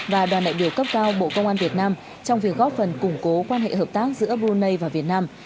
và đoàn đại biểu cấp cao bộ công an việt nam trong việc góp phần củng cố quan hệ hợp tác giữa brunei và việt nam